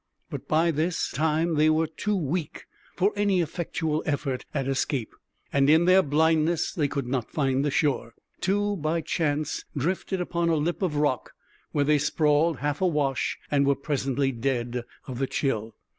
But by this time they were too weak for any effectual effort at escape, and in their blindness they could not find the shore. Two, by chance, drifted upon a lip of rock, where they sprawled half awash and were presently dead of the chill.